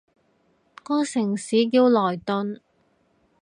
個市叫萊頓